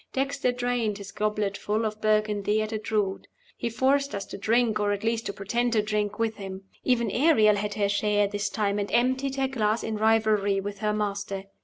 Dexter drained his gobletful of Burgundy at a draught; he forced us to drink (or at least to pretend to drink) with him. Even Ariel had her share this time, and emptied her glass in rivalry with her master.